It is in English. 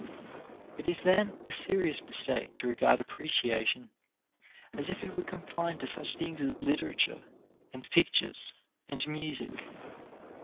It is, then, a serious mistake to regard appreciation as if it were confined to such things as literature and pictures and music.